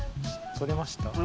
撮れました。